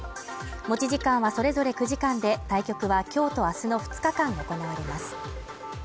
持ち時間はそれぞれ９時間で、対局は今日と明日の２日間行われます。